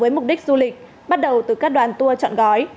với mục đích du lịch bắt đầu từ các đoàn tour chọn gói